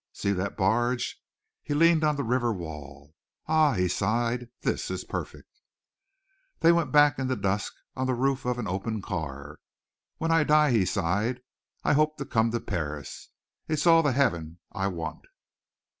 See that barge!" He leaned on the river wall. "Ah," he sighed, "this is perfect." They went back in the dusk on the roof of an open car. "When I die," he sighed, "I hope I come to Paris. It is all the heaven I want."